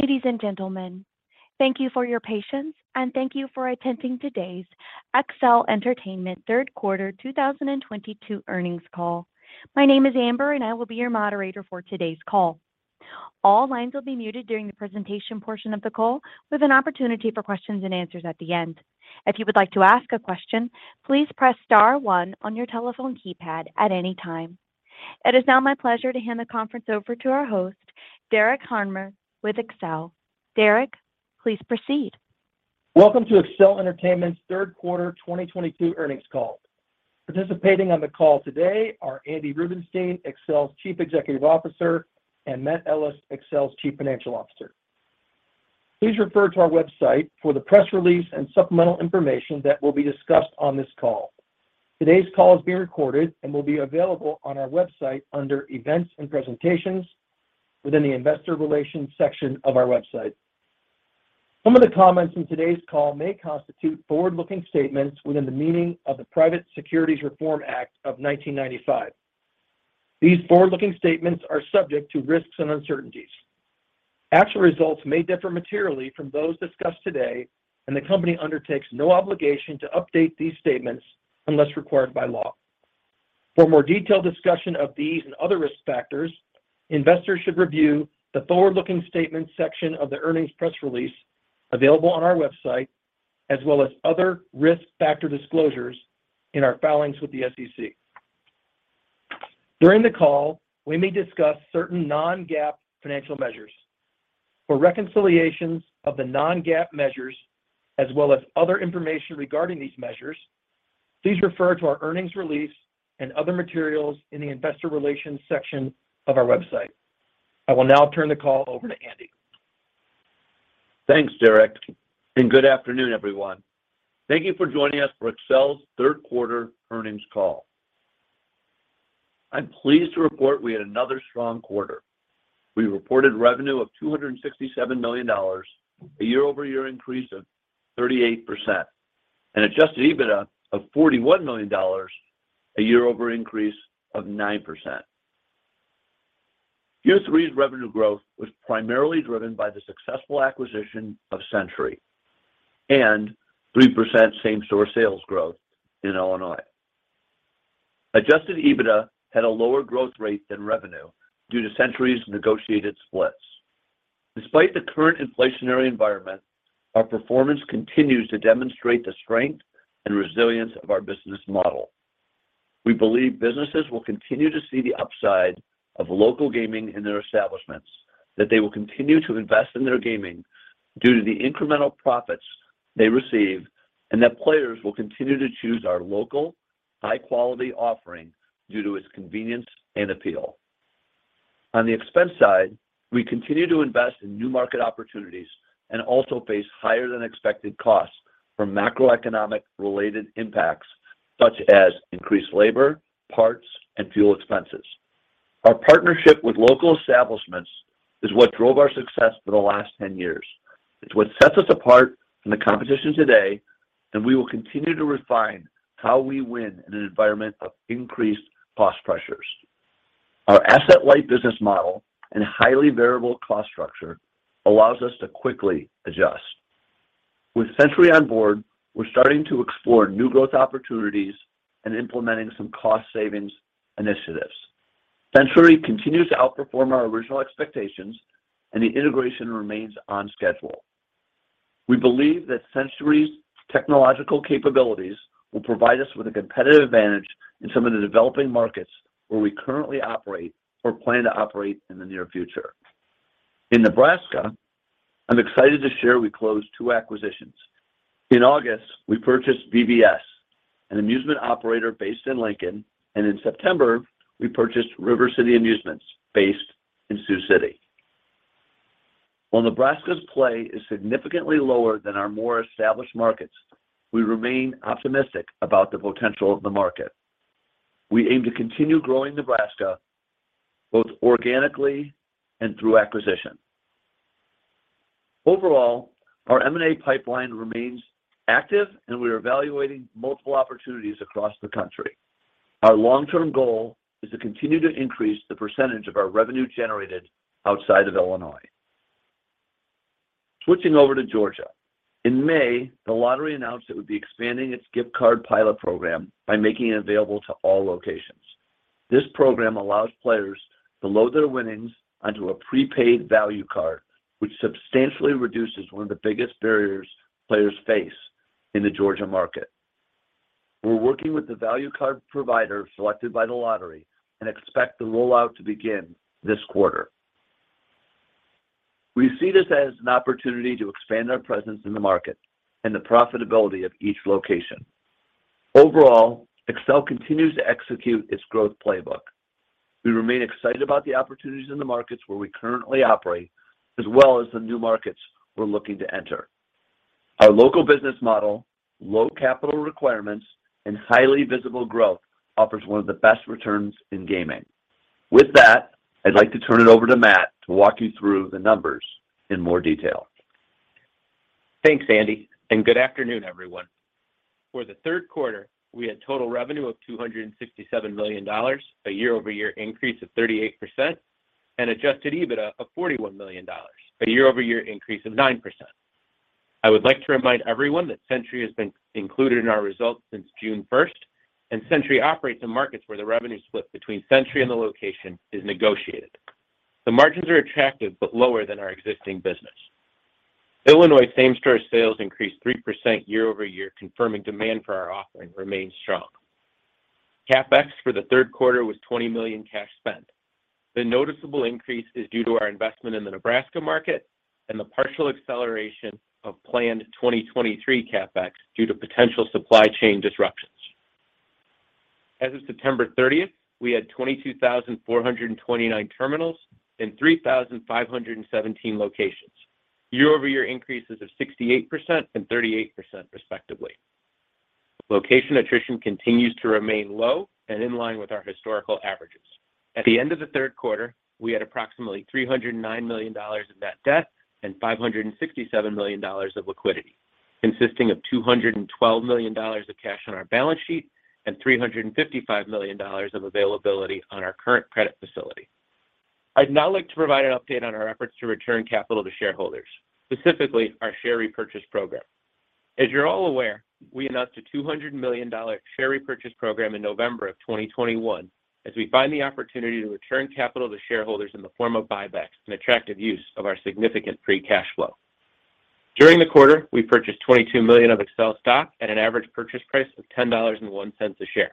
Ladies and gentlemen, thank you for your patience and thank you for attending today's Accel Entertainment third quarter 2022 earnings call. My name is Amber, and I will be your moderator for today's call. All lines will be muted during the presentation portion of the call with an opportunity for questions and answers at the end. If you would like to ask a question, please press star one on your telephone keypad at any time. It is now my pleasure to hand the conference over to our host, Derek Harmer with Accel. Derek, please proceed. Welcome to Accel Entertainment's third quarter 2022 earnings call. Participating on the call today are Andy Rubenstein, Accel's Chief Executive Officer, and Matt Ellis, Accel's Chief Financial Officer. Please refer to our website for the press release and supplemental information that will be discussed on this call. Today's call is being recorded and will be available on our website under Events and Presentations within the Investor Relations section of our website. Some of the comments in today's call may constitute forward-looking statements within the meaning of the Private Securities Litigation Reform Act of 1995. These forward-looking statements are subject to risks and uncertainties. Actual results may differ materially from those discussed today, and the company undertakes no obligation to update these statements unless required by law. For more detailed discussion of these and other risk factors, investors should review the forward-looking statement section of the earnings press release available on our website, as well as other risk factor disclosures in our filings with the SEC. During the call, we may discuss certain non-GAAP financial measures. For reconciliations of the non-GAAP measures, as well as other information regarding these measures, please refer to our earnings release and other materials in the Investor Relations section of our website. I will now turn the call over to Andy. Thanks, Derek, and good afternoon, everyone. Thank you for joining us for Accel's third quarter earnings call. I'm pleased to report we had another strong quarter. We reported revenue of $267 million, a year-over-year increase of 38%, and adjusted EBITDA of $41 million, a year-over-year increase of 9%. Q3's revenue growth was primarily driven by the successful acquisition of Century and 3% same-store sales growth Illinois. Adjusted EBITDA had a lower growth rate than revenue due to Century's negotiated splits. Despite the current inflationary environment, our performance continues to demonstrate the strength and resilience of our business model. We believe businesses will continue to see the upside of local gaming in their establishments, that they will continue to invest in their gaming due to the incremental profits they receive, and that players will continue to choose our local high-quality offering due to its convenience and appeal. On the expense side, we continue to invest in new market opportunities and also face higher than expected costs from macroeconomic-related impacts such as increased labor, parts, and fuel expenses. Our partnership with local establishments is what drove our success for the last 10 years. It's what sets us apart from the competition today, and we will continue to refine how we win in an environment of increased cost pressures. Our asset-light business model and highly variable cost structure allows us to quickly adjust. With Century on board, we're starting to explore new growth opportunities and implementing some cost savings initiatives. Century continues to outperform our original expectations, and the integration remains on schedule. We believe that Century's technological capabilities will provide us with a competitive advantage in some of the developing markets where we currently operate or plan to operate in the near future. In Nebraska, I'm excited to share we closed two acquisitions. In August, we purchased VVS, an amusement operator based in Lincoln, and in September, we purchased River City Amusement Company based in Sioux City. While Nebraska's play is significantly lower than our more established markets, we remain optimistic about the potential of the market. We aim to continue growing Nebraska both organically and through acquisition. Overall, our M&A pipeline remains active, and we are evaluating multiple opportunities across the country. Our long-term goal is to continue to increase the percentage of our revenue generated outside of Illinois. Switching over to Georgia. In May, the lottery announced it would be expanding its gift card pilot program by making it available to all locations. This program allows players to load their winnings onto a prepaid value card, which substantially reduces one of the biggest barriers players face in the Georgia market. We're working with the value card provider selected by the lottery and expect the rollout to begin this quarter. We see this as an opportunity to expand our presence in the market and the profitability of each location. Overall, Accel continues to execute its growth playbook. We remain excited about the opportunities in the markets where we currently operate, as well as the new markets we're looking to enter. Our local business model, low capital requirements, and highly visible growth offers one of the best returns in gaming. With that, I'd like to turn it over to Matt to walk you through the numbers in more detail. Thanks, Andy, and good afternoon, everyone. For the third quarter, we had total revenue of $267 million, a year-over-year increase of 38% and adjusted EBITDA of $41 million, a year-over-year increase of 9%. I would like to remind everyone that Century has been included in our results since June first, and Century operates in markets where the revenue split between Century and the location is negotiated. The margins are attractive but lower than our existing business. Illinois same-store sales increased 3% year-over-year, confirming demand for our offering remains strong. CapEx for the third quarter was $20 million cash spend. The noticeable increase is due to our investment in the Nebraska market and the partial acceleration of planned 2023 CapEx due to potential supply chain disruptions. As of September 30th, we had 22,429 terminals in 3,517 locations. Year-over-year increases of 68% and 38% respectively. Location attrition continues to remain low and in line with our historical averages. At the end of the third quarter, we had approximately $309 million of net debt and $567 million of liquidity, consisting of $212 million of cash on our balance sheet and $355 million of availability on our current credit facility. I'd now like to provide an update on our efforts to return capital to shareholders, specifically our share repurchase program. As you're all aware, we announced a $200 million share repurchase program in November of 2021 as we find the opportunity to return capital to shareholders in the form of buybacks as an attractive use of our significant free cash flow. During the quarter, we purchased $22 million of Accel stock at an average purchase price of $10.01 a share.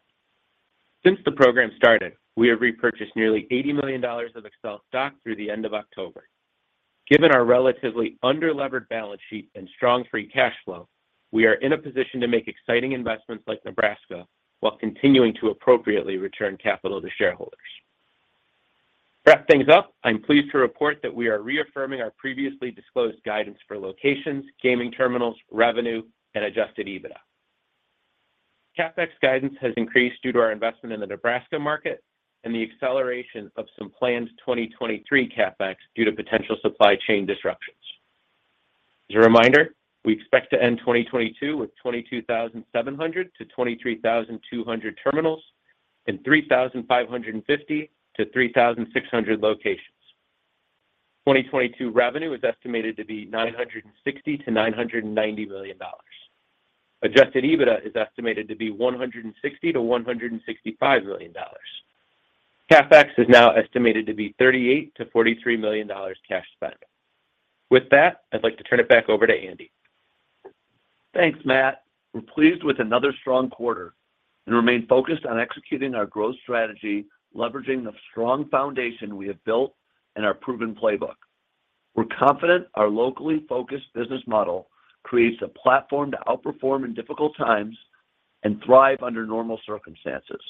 Since the program started, we have repurchased nearly $80 million of Accel stock through the end of October. Given our relatively under-levered balance sheet and strong free cash flow, we are in a position to make exciting investments like Nebraska while continuing to appropriately return capital to shareholders. To wrap things up, I'm pleased to report that we are reaffirming our previously disclosed guidance for locations, gaming terminals, revenue, and adjusted EBITDA. CapEx guidance has increased due to our investment in the Nebraska market and the acceleration of some plans 2023 CapEx due to potential supply chain disruptions. As a reminder, we expect to end 2022 with 22,700-23,200 terminals and 3,550-3,600 locations. 2022 revenue is estimated to be $960 million-$990 million. Adjusted EBITDA is estimated to be $160 million-$165 million. CapEx is now estimated to be $38 million-$43 million cash spend. With that, I'd like to turn it back over to Andy. Thanks, Matt. We're pleased with another strong quarter and remain focused on executing our growth strategy, leveraging the strong foundation we have built and our proven playbook. We're confident our locally-focused business model creates a platform to outperform in difficult times and thrive under normal circumstances.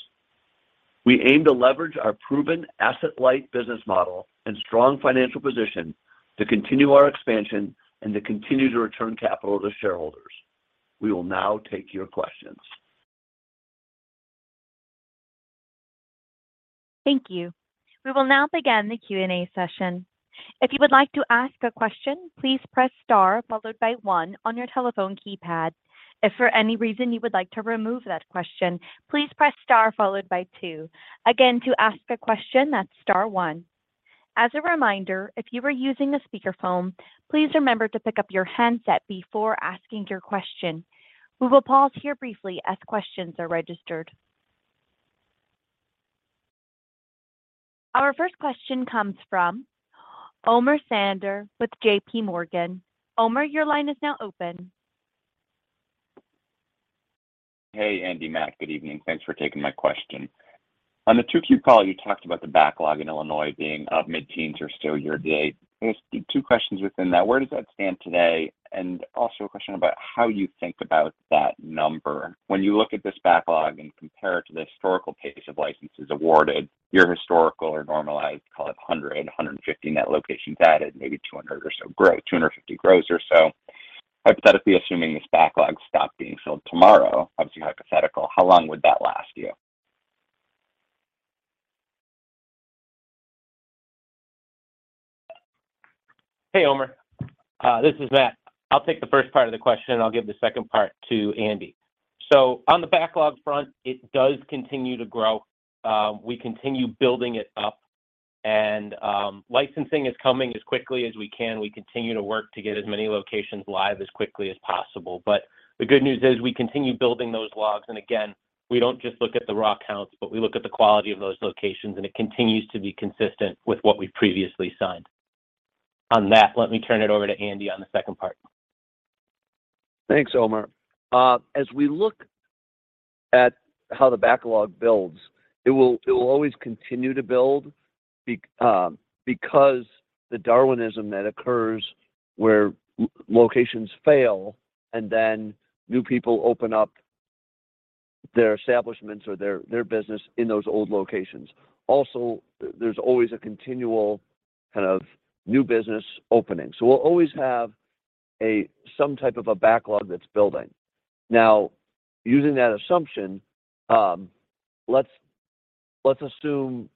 We aim to leverage our proven asset-light business model and strong financial position to continue our expansion and to continue to return capital to shareholders. We will now take your questions. Thank you. We will now begin the Q&A session. If you would like to ask a question, please press star followed by one on your telephone keypad. If for any reason you would like to remove that question, please press star followed by two. Again, to ask a question, that's star one. As a reminder, if you are using a speakerphone, please remember to pick up your handset before asking your question. We will pause here briefly as questions are registered. Our first question comes from Omer Sander with JPMorgan. Omer, your line is now open. Hey, Andy, Matt, good evening. Thanks for taking my question. On the 2Q call, you talked about the backlog in Illinois being mid-teens or so year-to-date. Just two questions within that. Where does that stand today? Also, a question about how you think about that number. When you look at this backlog and compare it to the historical pace of licenses awarded, your historical or normalized, call it 100, 150 net locations added, maybe 200 or so gross, 250 gross or so. Hypothetically assuming this backlog stopped being filled tomorrow, obviously hypothetical, how long would that last you? Hey, Omer. This is Matt. I'll take the first part of the question, and I'll give the second part to Andy. On the backlog front, it does continue to grow. We continue building it up, and licensing is coming as quickly as we can. We continue to work to get as many locations live as quickly as possible. The good news is we continue building those slots. Again, we don't just look at the raw counts, but we look at the quality of those locations, and it continues to be consistent with what we've previously signed. On that, let me turn it over to Andy on the second part. Thanks, Omer. As we look at how the backlog builds, it will always continue to build because the Darwinism that occurs where locations fail and then new people open up their establishments or their business in those old locations. Also, there's always a continual, kind of, new business opening. We'll always have some type of a backlog that's building. Now, using that assumption, let's assume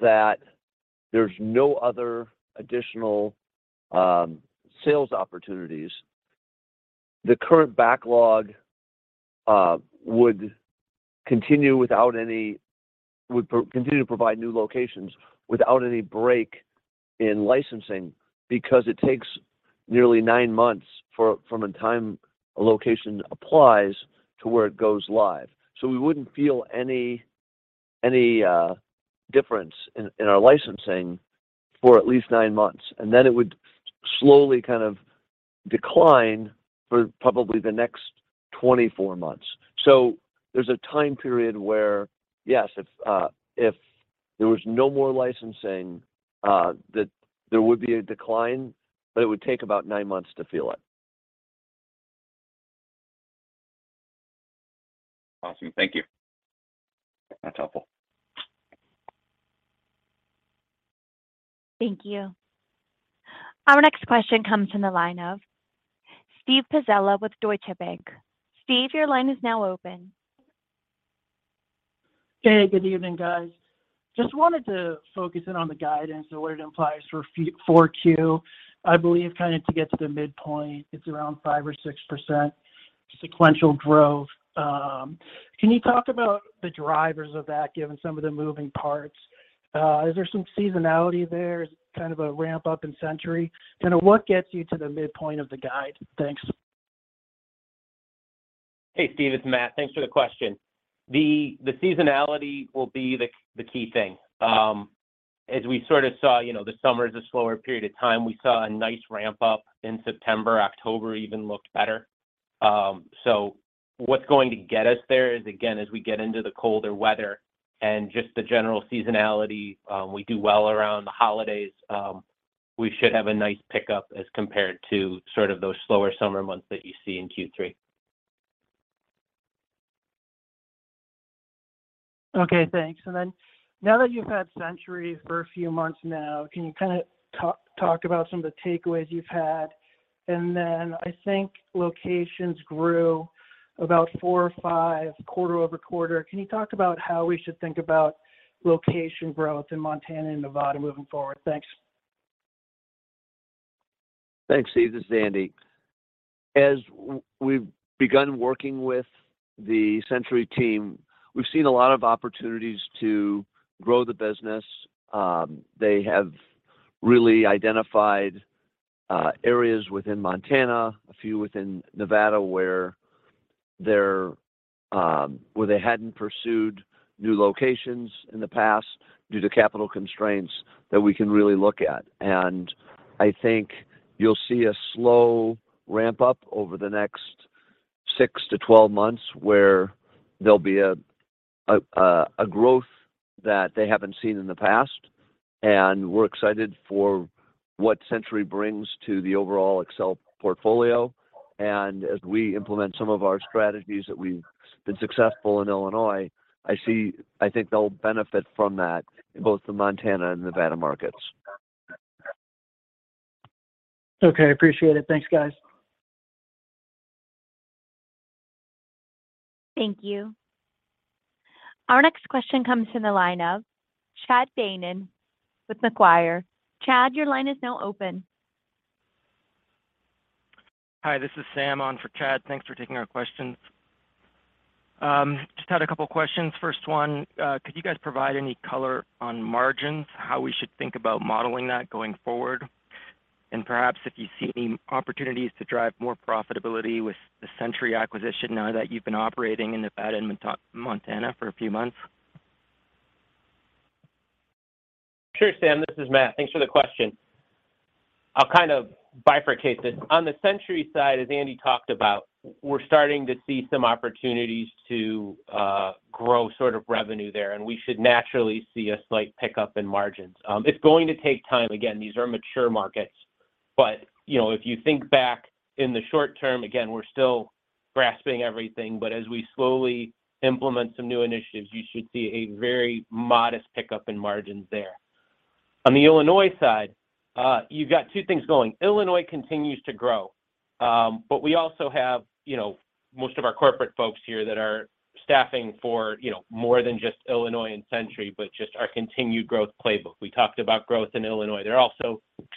that there's no other additional sales opportunities. The current backlog would continue to provide new locations without any break in licensing because it takes nearly nine months from the time a location applies to where it goes live. We wouldn't feel any difference in our licensing for at least nine months, and then it would slowly kind of decline for probably the next 24 months. There's a time period where, yes, if there was no more licensing, that there would be a decline, but it would take about nine months to feel it. Awesome. Thank you. That's helpful. Thank you. Our next question comes from the line of Steven Pizzella with Deutsche Bank. Steve, your line is now open. Hey, good evening, guys. Just wanted to focus in on the guidance and what it implies for 4Q. I believe kind of to get to the midpoint, it's around 5% or 6% sequential growth. Can you talk about the drivers of that, given some of the moving parts? Is there some seasonality there? Is it kind of a ramp-up in Century? Kinda what gets you to the midpoint of the guide? Thanks. Hey, Steve, it's Matt. Thanks for the question. The seasonality will be the key thing. As we sort of saw, you know, the summer is a slower period of time. We saw a nice ramp-up in September. October even looked better. What's going to get us there is, again, as we get into the colder weather and just the general seasonality, we do well around the holidays. We should have a nice pickup as compared to sort of those slower summer months that you see in Q3. Okay, thanks. Now that you've had Century for a few months now, can you kinda talk about some of the takeaways you've had? I think locations grew about 4%-5% quarter-over-quarter. Can you talk about how we should think about location growth in Montana and Nevada moving forward? Thanks. Thanks, Steve. This is Andy. As we've begun working with the Century team, we've seen a lot of opportunities to grow the business. They have really identified areas within Montana, a few within Nevada where they hadn't pursued new locations in the past due to capital constraints that we can really look at. I think you'll see a slow ramp-up over the next 6-12 months where there'll be a growth that they haven't seen in the past. We're excited for what Century brings to the overall Accel portfolio. As we implement some of our strategies that we've been successful in Illinois, I see. I think they'll benefit from that in both the Montana and Nevada markets. Okay, appreciate it. Thanks, guys. Thank you. Our next question comes from the line of Chad Beynon with Macquarie. Chad, your line is now open. Hi, this is Sam on for Chad. Thanks for taking our questions. Just had a couple questions. First one, could you guys provide any color on margins, how we should think about modeling that going forward? Perhaps if you see any opportunities to drive more profitability with the Century acquisition now that you've been operating in Nevada and Montana for a few months. Sure, Sam. This is Matt. Thanks for the question. I'll kind of bifurcate this. On the Century side, as Andy talked about, we're starting to see some opportunities to grow sort of revenue there, and we should naturally see a slight pickup in margins. It's going to take time. Again, these are mature markets. You know, if you think back in the short term, again, we're still grasping everything, but as we slowly implement some new initiatives, you should see a very modest pickup in margins there. On the Illinois side, you've got two things going. Illinois continues to grow, but we also have, you know, most of our corporate folks here that are staffing for, you know, more than just Illinois and Century, but just our continued growth playbook. We talked about growth in Illinois.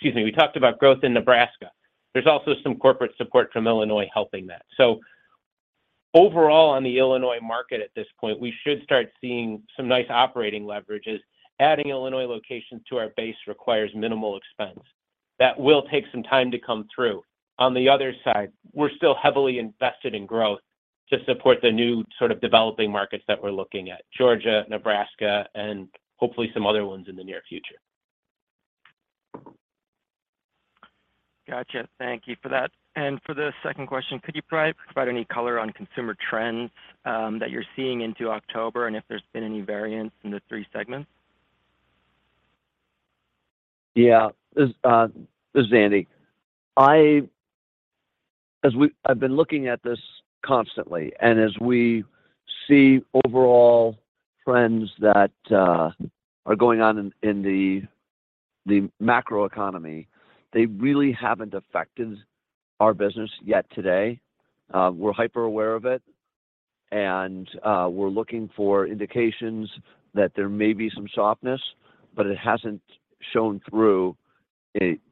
We talked about growth in Nebraska. There's also some corporate support from Illinois helping that. Overall on the Illinois market at this point, we should start seeing some nice operating leverages. Adding Illinois locations to our base requires minimal expense. That will take some time to come through. On the other side, we're still heavily invested in growth to support the new sort of developing markets that we're looking at, Georgia, Nebraska, and hopefully some other ones in the near future. Gotcha. Thank you for that. For the second question, could you provide any color on consumer trends that you're seeing into October and if there's been any variance in the three segments? Yeah. This is Andy. I've been looking at this constantly, and as we see overall trends that are going on in the macroeconomy, they really haven't affected our business yet today. We're hyper-aware of it, and we're looking for indications that there may be some softness, but it hasn't shown through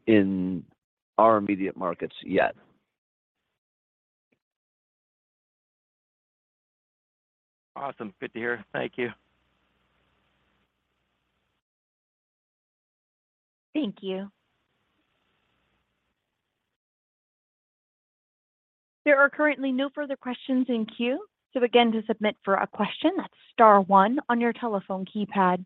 in our immediate markets yet. Awesome. Good to hear. Thank you. Thank you. There are currently no further questions in queue, so again, to submit a question, that's star one on your telephone keypad.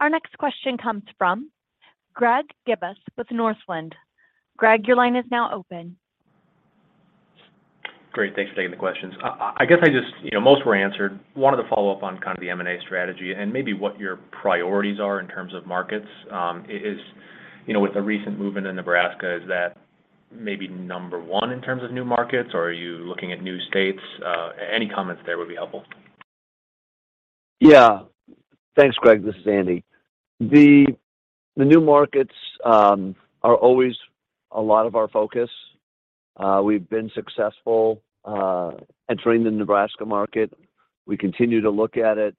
Our next question comes from Greg Gibas with Northland. Greg, your line is now open. Great. Thanks for taking the questions. I guess I just you know, most were answered. Wanted to follow up on kind of the M&A strategy and maybe what your priorities are in terms of markets. You know, with the recent movement in Nebraska, is that maybe number one in terms of new markets, or are you looking at new states? Any comments there would be helpful. Yeah. Thanks, Greg. This is Andy. The new markets are always a lot of our focus. We've been successful entering the Nebraska market. We continue to look at it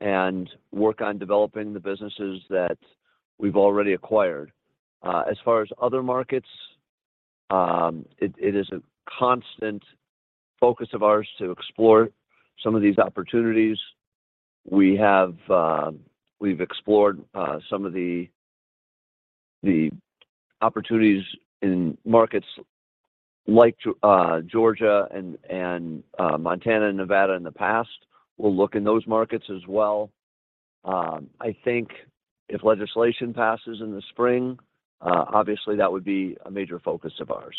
and work on developing the businesses that we've already acquired. As far as other markets, it is a constant focus of ours to explore some of these opportunities. We've explored some of the opportunities in markets like Georgia and Montana and Nevada in the past. We'll look in those markets as well. I think if legislation passes in the spring, obviously that would be a major focus of ours.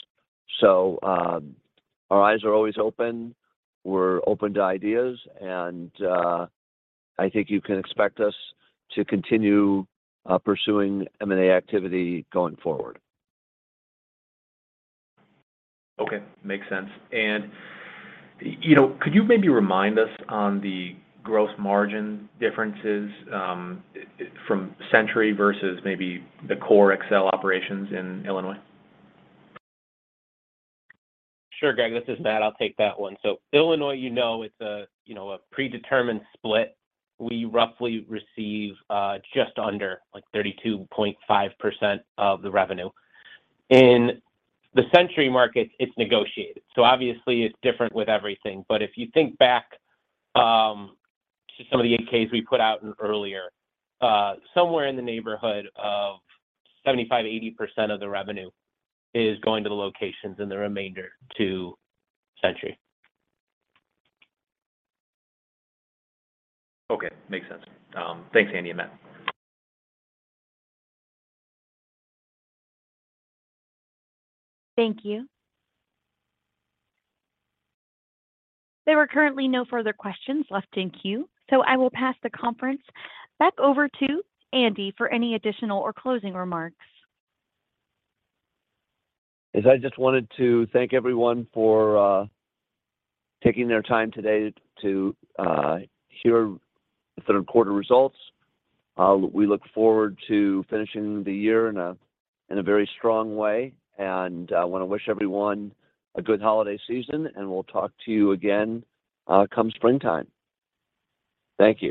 Our eyes are always open. We're open to ideas, and I think you can expect us to continue pursuing M&A activity going forward. Okay. Makes sense. You know, could you maybe remind us on the gross margin differences, from Century versus maybe the core Accel operations in Illinois? Sure, Greg. This is Matt. I'll take that one. Illinois, you know, it's a, you know, a predetermined split. We roughly receive just under, like, 32.5% of the revenue. In the Century markets, it's negotiated, so obviously it's different with everything. If you think back to some of the 8-Ks we put out in earlier, somewhere in the neighborhood of 75%-80% of the revenue is going to the locations and the remainder to Century. Okay. Makes sense. Thanks, Andy and Matt. Thank you. There are currently no further questions left in queue, so I will pass the conference back over to Andy for any additional or closing remarks. Yes, I just wanted to thank everyone for taking their time today to hear the third quarter results. We look forward to finishing the year in a very strong way, and I wanna wish everyone a good holiday season, and we'll talk to you again come springtime. Thank you.